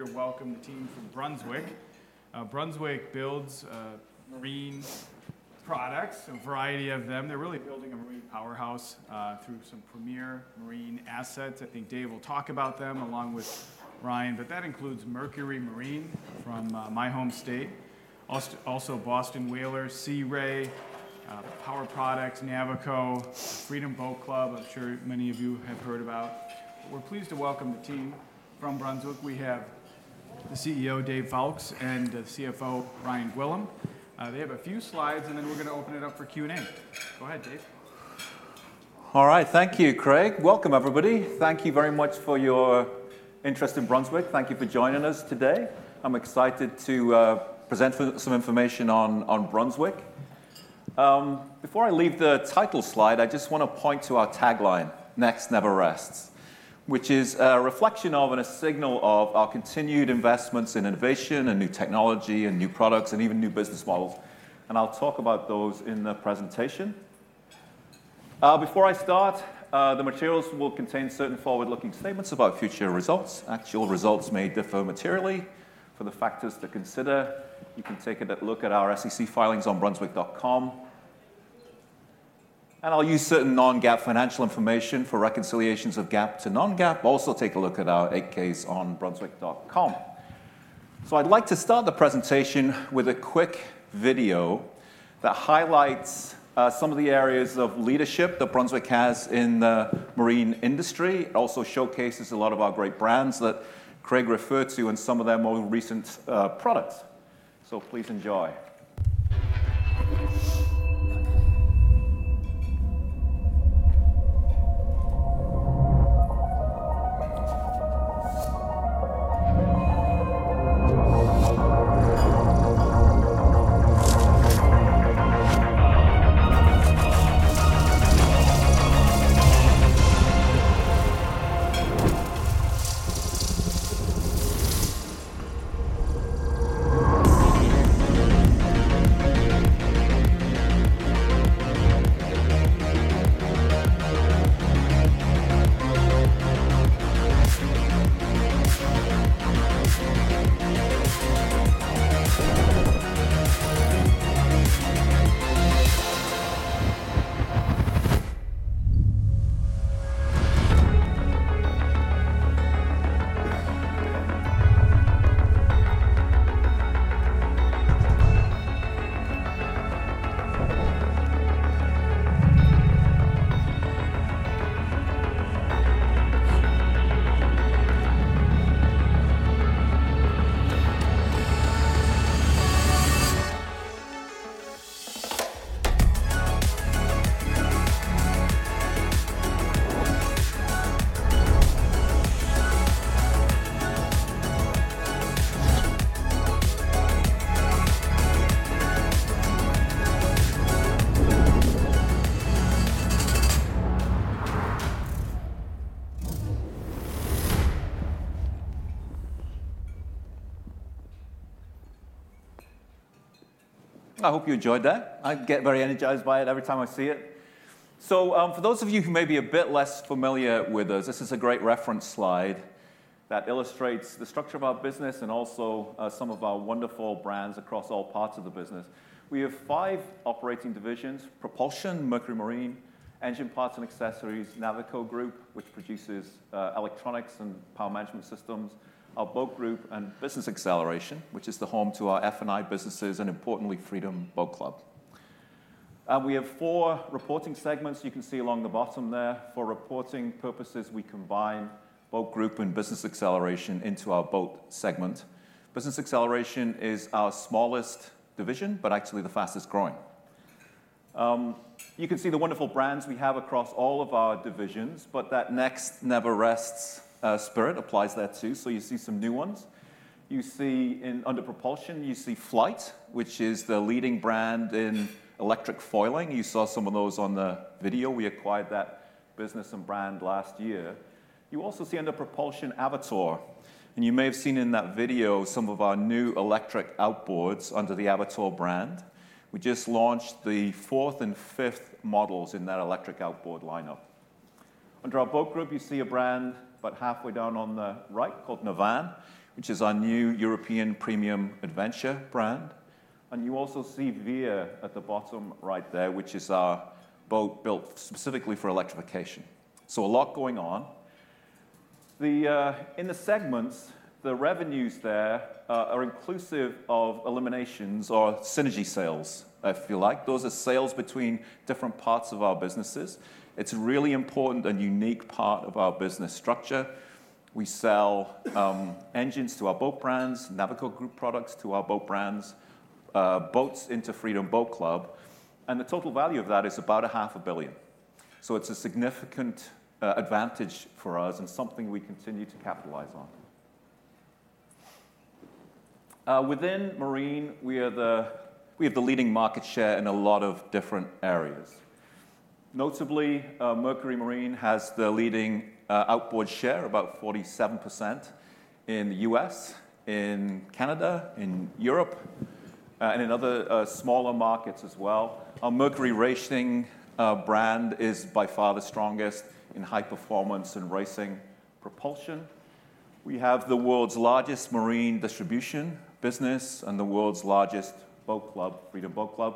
I'm here to welcome the team from Brunswick. Brunswick builds marine products, a variety of them. They're really building a marine powerhouse through some premier marine assets. I think Dave will talk about them, along with Ryan. But that includes Mercury Marine from my home state. Also, Boston Whaler, Sea Ray, Power Products, Navico, Freedom Boat Club, I'm sure many of you have heard about. We're pleased to welcome the team from Brunswick. We have the CEO, Dave Foulkes, and the CFO, Ryan Gwillim. They have a few slides, and then we're gonna open it up for Q&A. Go ahead, Dave. All right. Thank you, Craig. Welcome, everybody. Thank you very much for your interest in Brunswick. Thank you for joining us today. I'm excited to present some information on Brunswick. Before I leave the title slide, I just wanna point to our tagline, "Next never rests," which is a reflection of and a signal of our continued investments in innovation and new technology and new products and even new business models, and I'll talk about those in the presentation. Before I start, the materials will contain certain forward-looking statements about future results. Actual results may differ materially. For the factors to consider, you can take a look at our SEC filings on brunswick.com. I'll use certain non-GAAP financial information. For reconciliations of GAAP to non-GAAP, also take a look at our 8-Ks on brunswick.com. So I'd like to start the presentation with a quick video that highlights some of the areas of leadership that Brunswick has in the marine industry. It also showcases a lot of our great brands that Craig referred to and some of their more recent products. So please enjoy. I hope you enjoyed that. I get very energized by it every time I see it. So, for those of you who may be a bit less familiar with us, this is a great reference slide that illustrates the structure of our business and also some of our wonderful brands across all parts of the business. We have five operating divisions: Propulsion, Mercury Marine, Engine Parts & Accessories, Navico Group, which produces electronics and power management systems, our Boat Group, and Business Acceleration, which is the home to our F&I businesses and importantly, Freedom Boat Club. We have four reporting segments you can see along the bottom there. For reporting purposes, we combine Boat Group and Business Acceleration into our Boat segment. Business Acceleration is our smallest division, but actually the fastest growing. You can see the wonderful brands we have across all of our divisions, but that "next never rests," spirit applies there too, so you see some new ones. You see under Propulsion, you see Flite, which is the leading brand in electric foiling. You saw some of those on the video. We acquired that business and brand last year. You also see under Propulsion, Avator, and you may have seen in that video some of our new electric outboards under the Avator brand. We just launched the fourth and fifth models in that electric outboard lineup. Under our Boat Group, you see a brand about halfway down on the right called Navan, which is our new European premium adventure brand. You also see Veer at the bottom right there, which is our boat built specifically for electrification. A lot going on. The in the segments, the revenues there are inclusive of eliminations or synergy sales, if you like. Those are sales between different parts of our businesses. It's a really important and unique part of our business structure. We sell engines to our boat brands, Navico Group products to our boat brands, boats into Freedom Boat Club, and the total value of that is about $500 million. It's a significant advantage for us and something we continue to capitalize on. Within Marine, we are the... We have the leading market share in a lot of different areas. Notably, Mercury Marine has the leading outboard share, about 47% in the U.S., in Canada, in Europe, and in other smaller markets as well. Our Mercury Racing brand is by far the strongest in high performance and racing propulsion. We have the world's largest marine distribution business and the world's largest boat club, Freedom Boat Club.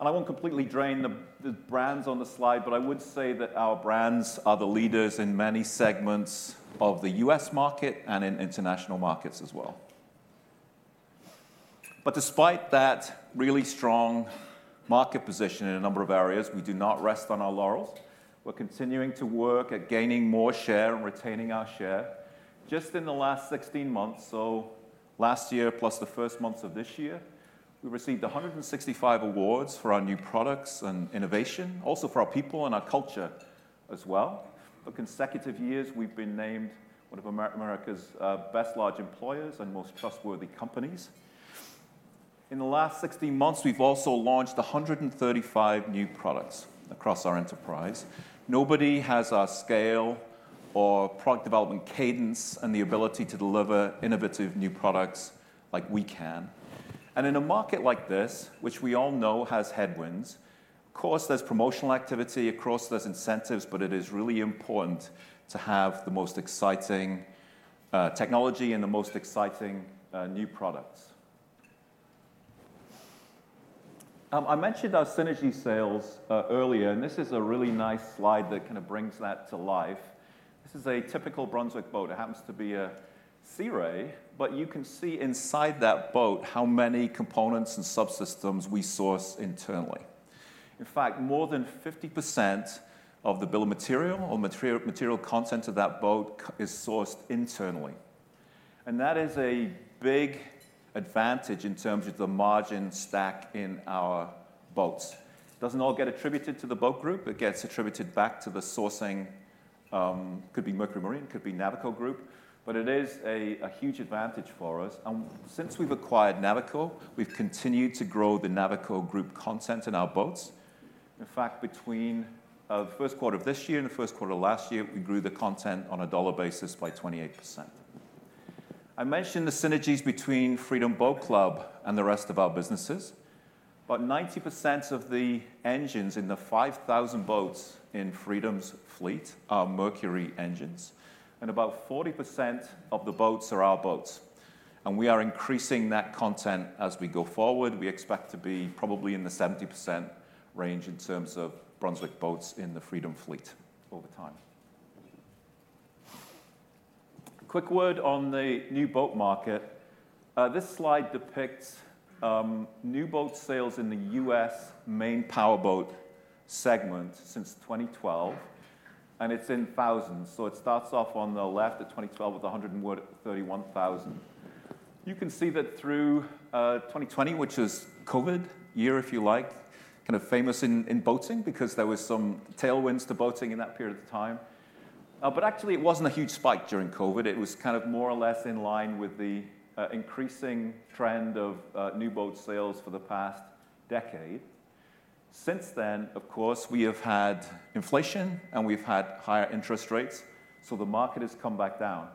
And I won't completely drain the brands on the slide, but I would say that our brands are the leaders in many segments of the U.S market and in international markets as well. But despite that really strong market position in a number of areas, we do not rest on our laurels. We're continuing to work at gaining more share and retaining our share. Just in the last 16 months, so last year, plus the first months of this year, we received 165 awards for our new products and innovation, also for our people and our culture as well. For consecutive years, we've been named one of America's best large employers and most trustworthy companies. In the last 16 months, we've also launched 135 new products across our enterprise. Nobody has our scale or product development cadence and the ability to deliver innovative new products like we can. In a market like this, which we all know has headwinds, of course, there's promotional activity, of course there's incentives, but it is really important to have the most exciting technology and the most exciting new products. I mentioned our synergy sales earlier, and this is a really nice slide that kind of brings that to life. This is a typical Brunswick boat. It happens to be a Sea Ray, but you can see inside that boat how many components and subsystems we source internally. In fact, more than 50% of the bill of material or material content of that boat is sourced internally, and that is a big advantage in terms of the margin stack in our boats. It doesn't all get attributed to the boat group, it gets attributed back to the sourcing. Could be Mercury Marine, could be Navico Group, but it is a huge advantage for us. And since we've acquired Navico, we've continued to grow the Navico Group content in our boats. In fact, between the first quarter of this year and the first quarter of last year, we grew the content on a dollar basis by 28%. I mentioned the synergies between Freedom Boat Club and the rest of our businesses, but 90% of the engines in the 5,000 boats in Freedom's fleet are Mercury engines, and about 40% of the boats are our boats, and we are increasing that content as we go forward. We expect to be probably in the 70% range in terms of Brunswick boats in the Freedom fleet over time. Quick word on the new boat market. This slide depicts new boat sales in the U.S. main power boat segment since 2012, and it's in thousands. So it starts off on the left at 2012 with 131,000. You can see that through 2020, which is COVID year, if you like, kind of famous in boating because there was some tailwinds to boating in that period of time. But actually it wasn't a huge spike during COVID. It was kind of more or less in line with the increasing trend of new boat sales for the past decade. Since then, of course, we have had inflation and we've had higher interest rates, so the market has come back down.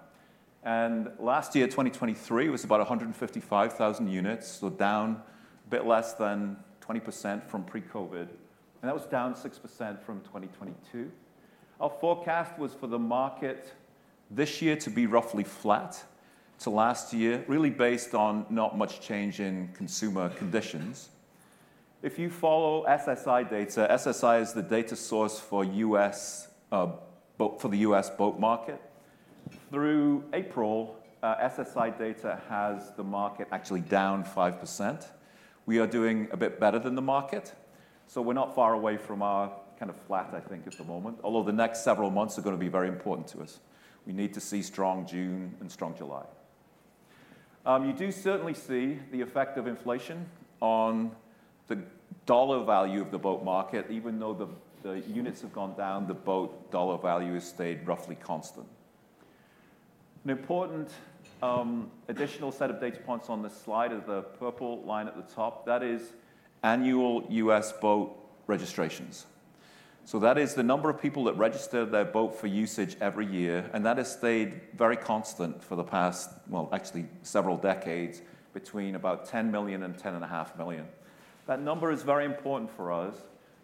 And last year, 2023, it was about 155,000 units, so down a bit less than 20% from pre-COVID, and that was down 6% from 2022. Our forecast was for the market this year to be roughly flat to last year, really based on not much change in consumer conditions. If you follow SSI data, SSI is the data source for U.S., boat—for the U.S. boat market. Through April, SSI data has the market actually down 5%. We are doing a bit better than the market, so we're not far away from our kind of flat, I think, at the moment, although the next several months are gonna be very important to us. We need to see strong June and strong July. You do certainly see the effect of inflation on the dollar value of the boat market. Even though the, the units have gone down, the boat dollar value has stayed roughly constant. An important, additional set of data points on this slide is the purple line at the top. That is annual U.S. boat registrations. So that is the number of people that register their boat for usage every year, and that has stayed very constant for the past, well, actually several decades, between about 10 million and 10.5 million. That number is very important for us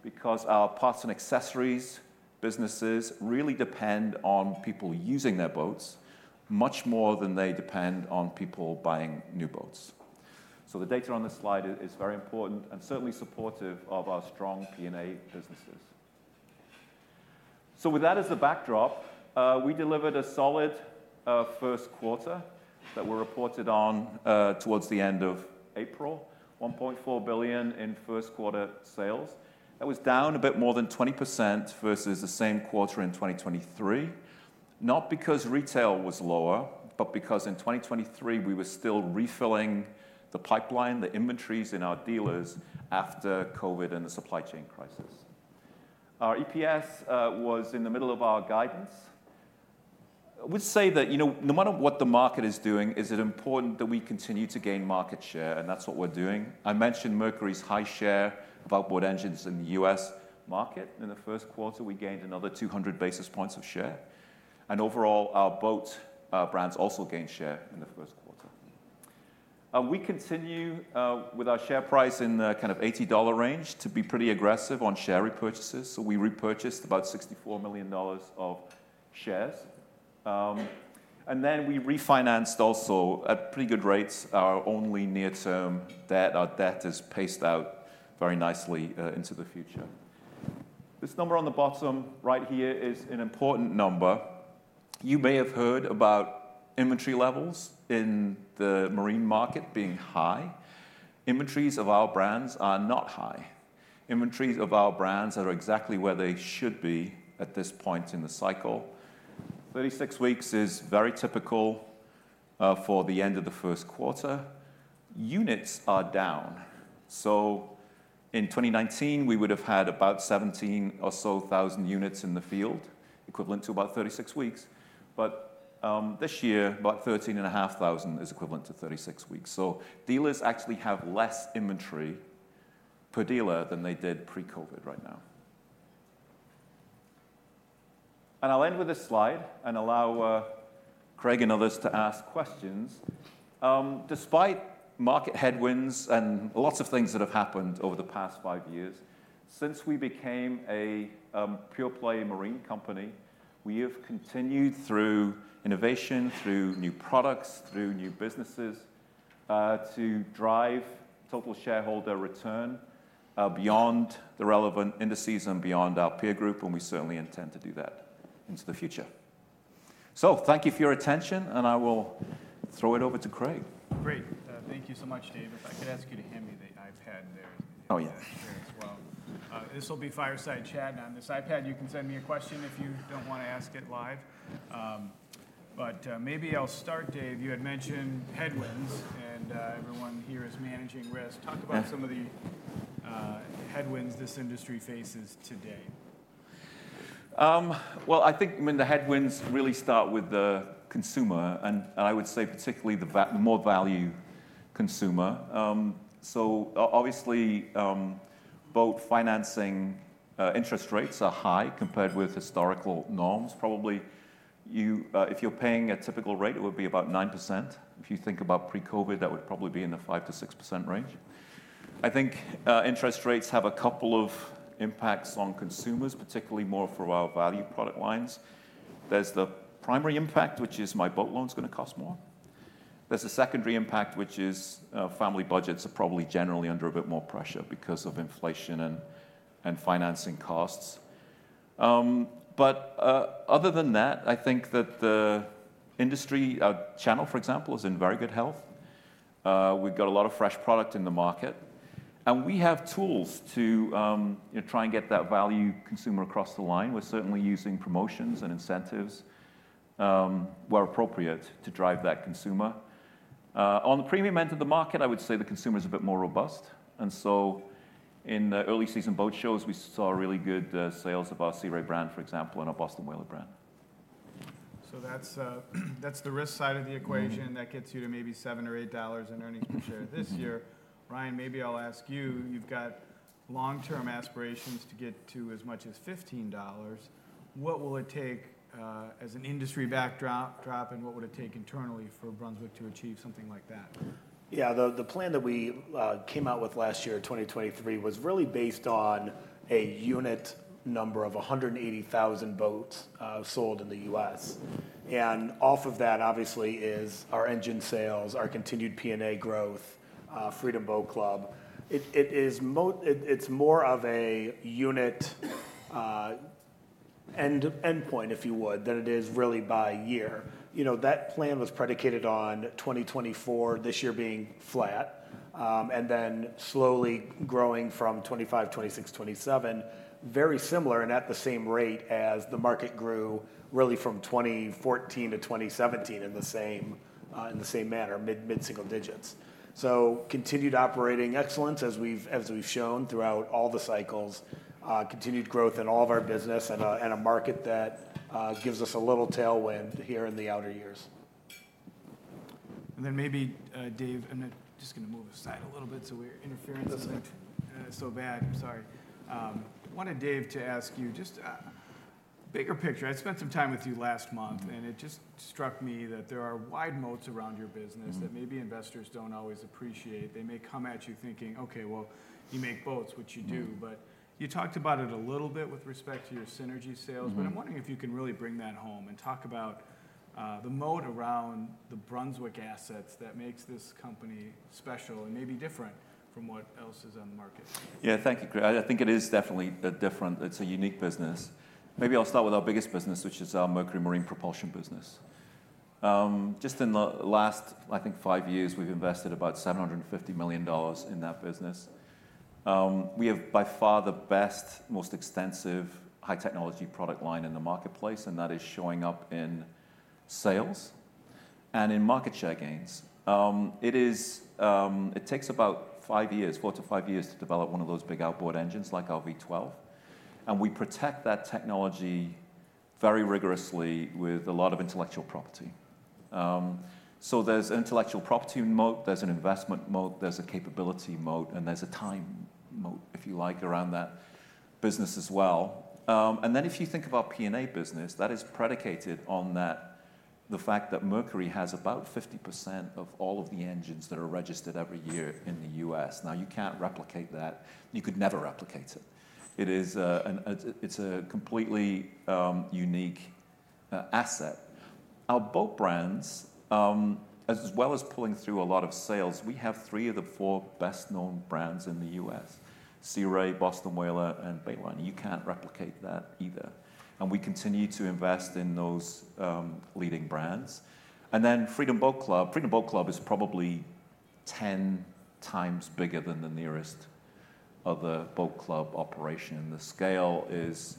because our parts and accessories businesses really depend on people using their boats much more than they depend on people buying new boats. So the data on this slide is very important and certainly supportive of our strong P&A businesses. So with that as a backdrop, we delivered a solid, first quarter that were reported on, towards the end of April, $1.4 billion in first quarter sales. That was down a bit more than 20% versus the same quarter in 2023. Not because retail was lower, but because in 2023 we were still refilling the pipeline, the inventories in our dealers after COVID and the supply chain crisis. Our EPS was in the middle of our guidance. I would say that, you know, no matter what the market is doing, is it important that we continue to gain market share, and that's what we're doing. I mentioned Mercury's high share of outboard engines in the U.S. market. In the first quarter, we gained another 200 basis points of share, and overall, our boat brands also gained share in the first quarter. We continue, with our share price in the kind of $80 range to be pretty aggressive on share repurchases. So we repurchased about $64 million of shares. And then we refinanced also at pretty good rates, our only near-term debt. Our debt is paced out very nicely into the future. This number on the bottom right here is an important number. You may have heard about inventory levels in the marine market being high. Inventories of our brands are not high. Inventories of our brands are exactly where they should be at this point in the cycle. 36 weeks is very typical for the end of the first quarter. Units are down, so in 2019, we would have had about 17,000 or so units in the field, equivalent to about 36 weeks. But this year, about 13,500 is equivalent to 36 weeks. So dealers actually have less inventory per dealer than they did pre-COVID right now. I'll end with this slide and allow Craig and others to ask questions. Despite market headwinds and lots of things that have happened over the past five years, since we became a pure-play marine company, we have continued through innovation, through new products, through new businesses, to drive total shareholder return, beyond the relevant indices and beyond our peer group, and we certainly intend to do that into the future. So thank you for your attention, and I will throw it over to Craig. Great. Thank you so much, Dave. If I could ask you to hand me the iPad there- Oh, yeah. There as well. This will be fireside chat. Now, on this iPad, you can send me a question if you don't want to ask it live. But maybe I'll start, Dave. You had mentioned headwinds, and everyone here is managing risk. Yeah. Talk about some of the headwinds this industry faces today. Well, I think, I mean, the headwinds really start with the consumer, and I would say particularly the more value consumer. So obviously, boat financing interest rates are high compared with historical norms. Probably, you, if you're paying a typical rate, it would be about 9%. If you think about pre-COVID, that would probably be in the 5%-6% range. I think interest rates have a couple of impacts on consumers, particularly more for our value product lines. There's the primary impact, which is my boat loan is gonna cost more. There's a secondary impact, which is family budgets are probably generally under a bit more pressure because of inflation and financing costs. But other than that, I think that the industry, our channel, for example, is in very good health. We've got a lot of fresh product in the market, and we have tools to, you know, try and get that value consumer across the line. We're certainly using promotions and incentives, where appropriate, to drive that consumer. On the premium end of the market, I would say the consumer is a bit more robust, and so in the early season boat shows, we saw really good sales of our Sea Ray brand, for example, and our Boston Whaler brand. That's the risk side of the equation. Mm-hmm. That gets you to maybe $7-$8 in earnings per share this year. Mm-hmm. Ryan, maybe I'll ask you: You've got long-term aspirations to get to as much as $15. What will it take as an industry backdrop, and what would it take internally for Brunswick to achieve something like that? Yeah, the plan that we came out with last year, 2023, was really based on a unit number of 180,000 boats sold in the U.S. And off of that, obviously, is our engine sales, our continued P&A growth, Freedom Boat Club. It is more of a unit end endpoint, if you would, than it is really by year. You know, that plan was predicated on 2024, this year being flat, and then slowly growing from 25, 26, 27. Very similar and at the same rate as the market grew really from 2014 to 2017 in the same manner, mid-single digits. So continued operating excellence as we've, as we've shown throughout all the cycles, continued growth in all of our business and a, and a market that gives us a little tailwind here in the outer years. And then maybe, Dave... I'm just gonna move aside a little bit so we're interference- Doesnt't. So bad. I'm sorry. I wanted, Dave, to ask you, just, bigger picture. I spent some time with you last month- Mm-hmm.... and it just struck me that there are wide moats around your business. Mm-hmm... that maybe investors don't always appreciate. They may come at you thinking, "Okay, well, you make boats," which you do. Mm. You talked about it a little bit with respect to your synergy sales. Mm-hmm. I'm wondering if you can really bring that home and talk about the moat around the Brunswick assets that makes this company special and maybe different from what else is on the market. Yeah. Thank you, Craig. I, I think it is definitely different. It's a unique business. Maybe I'll start with our biggest business, which is our Mercury Marine propulsion business. Just in the last, I think five years, we've invested about $750 million in that business. We have by far the best, most extensive high-technology product line in the marketplace, and that is showing up in sales and in market share gains. It is, it takes about five years, four to five years, to develop one of those big outboard engines like our V12, and we protect that technology very rigorously with a lot of intellectual property. So there's intellectual property moat, there's an investment moat, there's a capability moat, and there's a time moat, if you like, around that business as well. And then if you think of our P&A business, that is predicated on the fact that Mercury has about 50% of all of the engines that are registered every year in the U.S. Now, you can't replicate that. You could never replicate it. It is a completely unique asset. Our boat brands, as well as pulling through a lot of sales, we have three of the four best-known brands in the U.S.: Sea Ray, Boston Whaler, and Bayliner. You can't replicate that either, and we continue to invest in those leading brands. And then Freedom Boat Club, Freedom Boat Club is probably 10 times bigger than the nearest other boat club operation. The scale is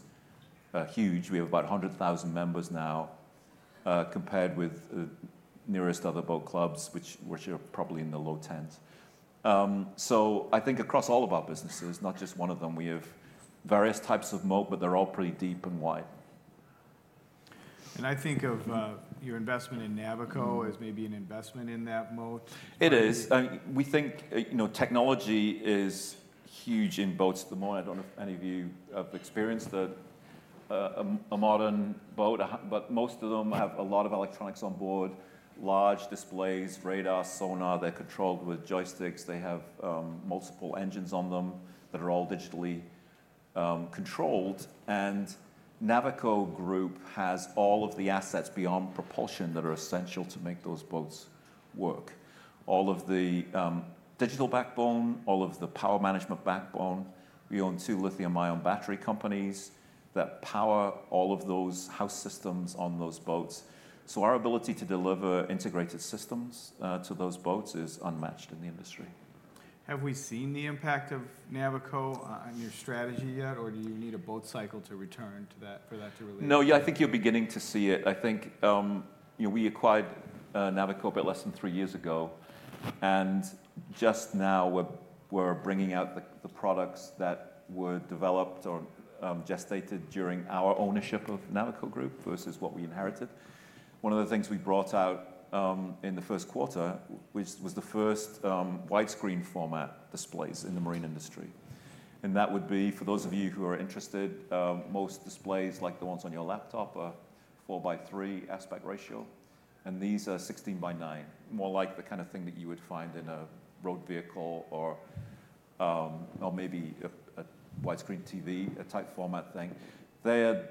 huge. We have about 100,000 members now, compared with the nearest other boat clubs, which are probably in the low tens. So I think across all of our businesses, not just one of them, we have various types of moat, but they're all pretty deep and wide. I think of your investment in Navico as maybe an investment in that moat. It is. We think, you know, technology is huge in boats at the moment. I don't know if any of you have experienced a modern boat, but most of them have a lot of electronics on board, large displays, radar, sonar. They're controlled with joysticks. They have multiple engines on them that are all digitally controlled, and Navico Group has all of the assets beyond propulsion that are essential to make those boats work. All of the digital backbone, all of the power management backbone. We own two lithium-ion battery companies that power all of those house systems on those boats. So our ability to deliver integrated systems to those boats is unmatched in the industry. Have we seen the impact of Navico on your strategy yet, or do you need a boat cycle to return to that for that to really- No, yeah, I think you're beginning to see it. I think, you know, we acquired Navico a bit less than three years ago, and just now we're bringing out the products that were developed or gestated during our ownership of Navico Group versus what we inherited. One of the things we brought out in the first quarter, which was the first widescreen format displays in the marine industry, and that would be, for those of you who are interested, most displays, like the ones on your laptop, are 4 by 3 aspect ratio, and these are 16 by 9. More like the kind of thing that you would find in a road vehicle or or maybe a widescreen TV, a type format thing. They're...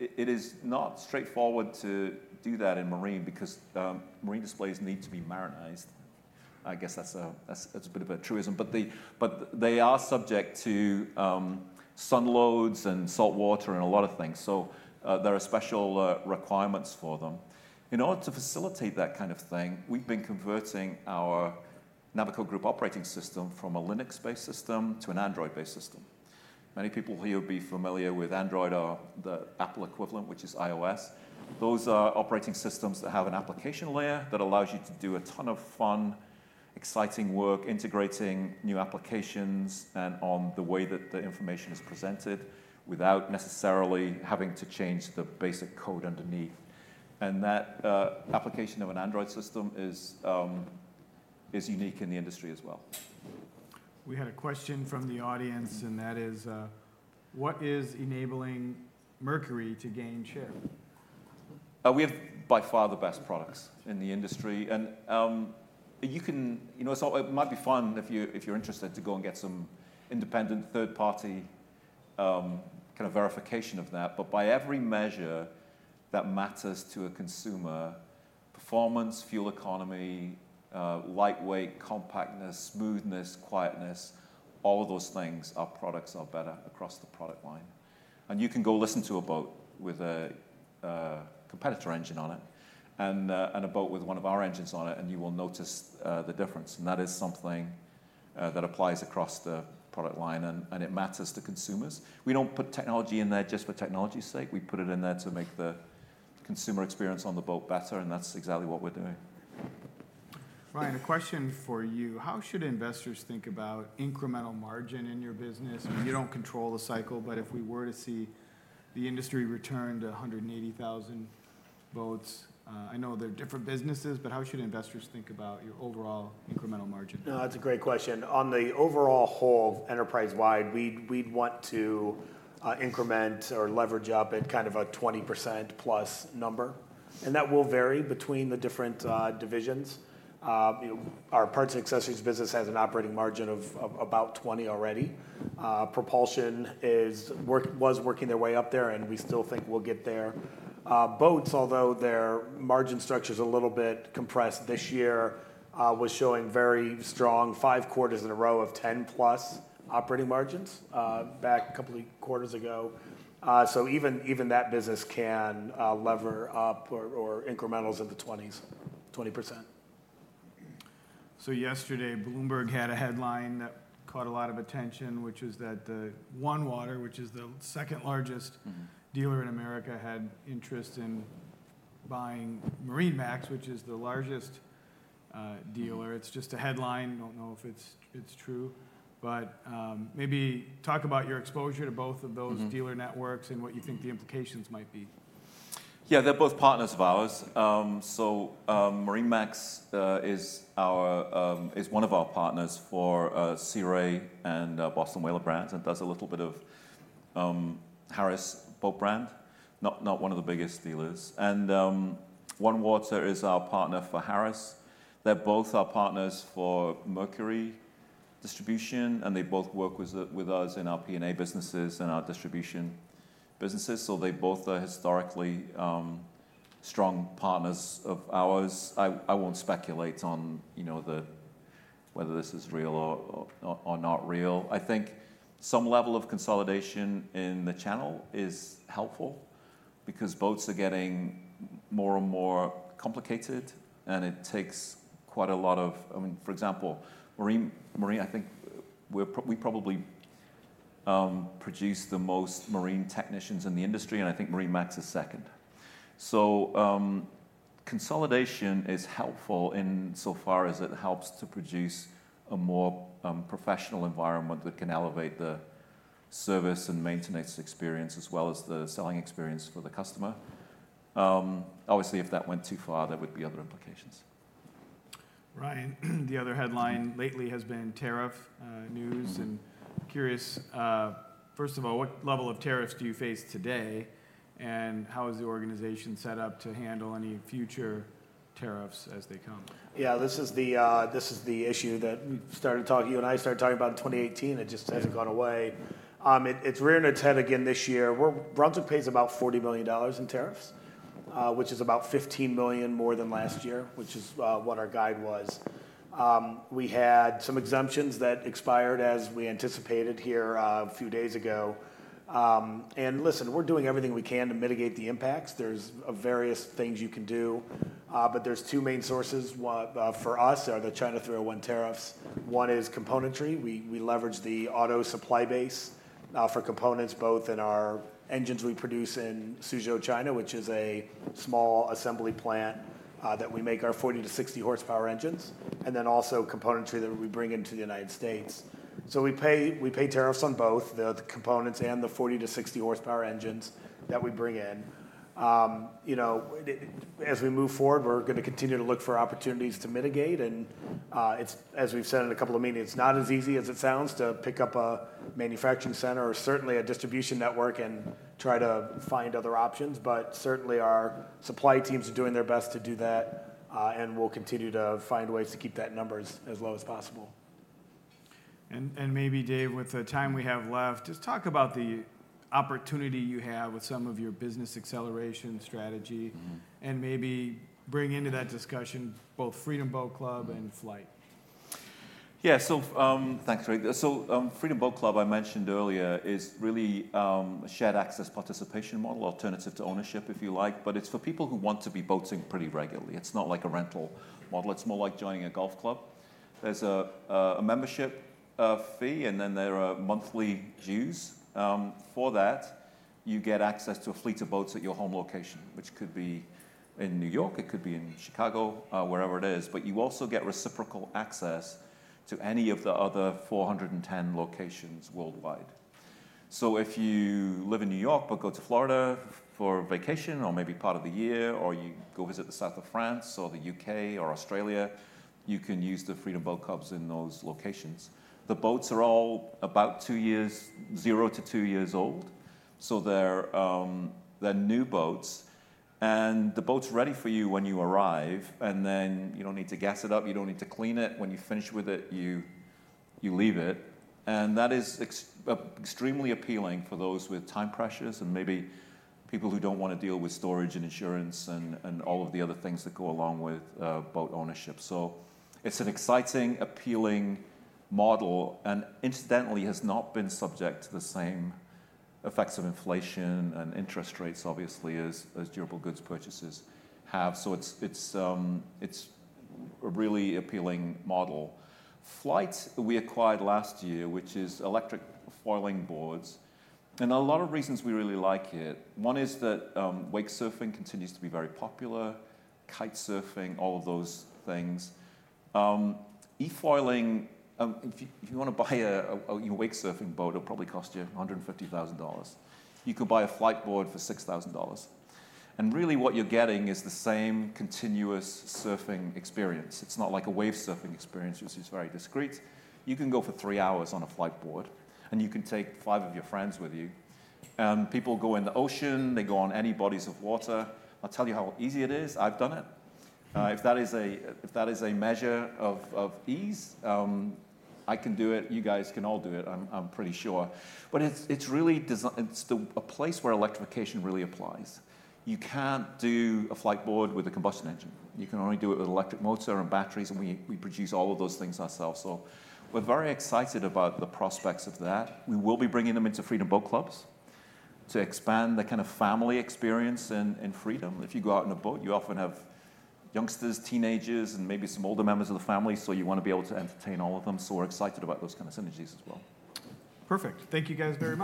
It is not straightforward to do that in marine because marine displays need to be marinized. I guess that's a bit of a truism, but they are subject to sun loads and salt water and a lot of things, so there are special requirements for them. In order to facilitate that kind of thing, we've been converting our Navico Group operating system from a Linux-based system to an Android-based system. Many people here will be familiar with Android or the Apple equivalent, which is iOS. Those are operating systems that have an application layer that allows you to do a ton of fun, exciting work, integrating new applications and on the way that the information is presented, without necessarily having to change the basic code underneath. That application of an Android system is unique in the industry as well. We had a question from the audience, and that is: What is enabling Mercury to gain share? We have by far the best products in the industry, and you can... You know, so it might be fun if you, if you're interested, to go and get some independent, third-party kind of verification of that. But by every measure that matters to a consumer, performance, fuel economy, lightweight, compactness, smoothness, quietness, all of those things, our products are better across the product line. And you can go listen to a boat with a competitor engine on it and a boat with one of our engines on it, and you will notice the difference, and that is something that applies across the product line, and it matters to consumers. We don't put technology in there just for technology's sake. We put it in there to make the consumer experience on the boat better, and that's exactly what we're doing. Ryan, a question for you. How should investors think about incremental margin in your business? I mean, you don't control the cycle, but if we were to see the industry return to 180,000 boats, I know they're different businesses, but how should investors think about your overall incremental margin? No, that's a great question. On the overall whole, enterprise-wide, we'd want to increment or leverage up at kind of a 20%+ number, and that will vary between the different divisions. You know, our parts and accessories business has an operating margin of about 20 already. Propulsion was working their way up there, and we still think we'll get there. Boats, although their margin structure's a little bit compressed this year, was showing very strong five quarters in a row of 10+ operating margins back a couple of quarters ago. So even that business can lever up or incrementals into 20s, 20%. Yesterday, Bloomberg had a headline that caught a lot of attention, which is that the OneWater, which is the second-largest- Mm-hmm.... dealer in America, had interest in buying MarineMax, which is the largest, dealer. Mm-hmm. It's just a headline. Don't know if it's true, but maybe talk about your exposure to both of those- Mm-hmm.... dealer networks and what you think the implications might be? Yeah, they're both partners of ours. So, MarineMax is our, is one of our partners for Sea Ray and Boston Whaler brands, and does a little bit of Harris boat brand. Not one of the biggest dealers. And OneWater is our partner for Harris. They're both our partners for Mercury distribution, and they both work with us in our P&A businesses and our distribution businesses. So they both are historically strong partners of ours. I won't speculate on, you know, whether this is real or not real. I think some level of consolidation in the channel is helpful because boats are getting more and more complicated, and it takes quite a lot of... I mean, for example, MarineMax, I think we're probably produce the most marine technicians in the industry, and I think MarineMax is second. So, consolidation is helpful in so far as it helps to produce a more professional environment that can elevate the service and maintenance experience, as well as the selling experience for the customer. Obviously, if that went too far, there would be other implications. Ryan, the other headline lately has been tariff news. Mm-hmm. Curious, first of all, what level of tariffs do you face today, and how is the organization set up to handle any future tariffs as they come? Yeah, this is the issue that you and I started talking about in 2018. Yeah. It just hasn't gone away. It's rearing its head again this year. Brunswick pays about $40 billion in tariffs, which is about $15 billion more than last year, which is what our guide was. We had some exemptions that expired as we anticipated here a few days ago. And listen, we're doing everything we can to mitigate the impacts. There's various things you can do, but there's two main sources. One, for us are the China 301 tariffs. One is componentry. We leverage the auto supply base for components both in our engines we produce in Suzhou, China, which is a small assembly plant that we make our 40- to 60-horsepower engines, and then also componentry that we bring into the United States. So we pay tariffs on both the components and the 40-60 horsepower engines that we bring in. You know, it's as we move forward, we're gonna continue to look for opportunities to mitigate. And it's, as we've said in a couple of meetings, not as easy as it sounds to pick up a manufacturing center or certainly a distribution network and try to find other options. But certainly, our supply teams are doing their best to do that, and we'll continue to find ways to keep that number as low as possible. And maybe, Dave, with the time we have left, just talk about the opportunity you have with some of your business acceleration strategy. Mm-hmm. And maybe bring into that discussion both Freedom Boat Club and Flite. Yeah. So, thanks, Rick. So, Freedom Boat Club, I mentioned earlier, is really a shared access participation model, alternative to ownership, if you like, but it's for people who want to be boating pretty regularly. It's not like a rental model. It's more like joining a golf club. There's a membership fee, and then there are monthly dues. For that, you get access to a fleet of boats at your home location, which could be in New York, it could be in Chicago, wherever it is, but you also get reciprocal access to any of the other 410 locations worldwide. So if you live in New York but go to Florida for a vacation, or maybe part of the year, or you go visit the South of France or the U.K. or Australia, you can use the Freedom Boat Clubs in those locations. The boats are all about 2 years, 0-2 years old, so they're, they're new boats, and the boat's ready for you when you arrive, and then you don't need to gas it up, you don't need to clean it. When you're finished with it, you leave it. And that is extremely appealing for those with time pressures and maybe people who don't wanna deal with storage and insurance and all of the other things that go along with boat ownership. So it's an exciting, appealing model, and incidentally, has not been subject to the same effects of inflation and interest rates, obviously, as durable goods purchases have. So it's a really appealing model. Flite we acquired last year, which is electric foiling boards, and there are a lot of reasons we really like it. One is that, wake surfing continues to be very popular, kite surfing, all of those things. eFoiling, if you wanna buy your wake surfing boat, it'll probably cost you $150,000. You could buy a Fliteboard for $6,000. And really, what you're getting is the same continuous surfing experience. It's not like a wave surfing experience, which is very discrete. You can go for three hours on a Fliteboard, and you can take five of your friends with you. People go in the ocean, they go on any bodies of water. I'll tell you how easy it is. I've done it. If that is a measure of ease, I can do it. You guys can all do it, I'm pretty sure. But it's really the place where electrification really applies. You can't do a Fliteboard with a combustion engine. You can only do it with electric motor and batteries, and we produce all of those things ourselves, so we're very excited about the prospects of that. We will be bringing them into Freedom Boat Clubs to expand the kind of family experience in Freedom. If you go out on a boat, you often have youngsters, teenagers, and maybe some older members of the family, so you wanna be able to entertain all of them. So we're excited about those kind of synergies as well. Perfect. Thank you, guys, very much.